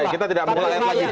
kita tidak memulainya